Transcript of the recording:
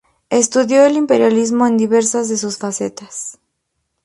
Estudió el imperialismo en diversas de sus facetas.